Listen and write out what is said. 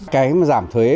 cái giảm thuế